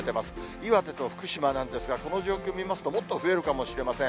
岩手と福島なんですが、この状況見ますと、もっと増えるかもしれません。